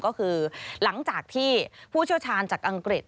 ก็คือหลังจากที่ผู้เชี่ยวชาญจากอังกฤษ